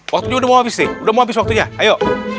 waktunya udah mau habis nih udah mau habis waktunya ayo